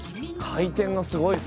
回転がすごいですよね。